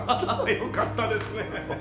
よかったですね！